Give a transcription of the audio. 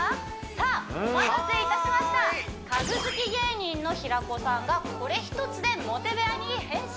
さあお待たせいたしました家具好き芸人の平子さんがこれ一つでモテ部屋に変身！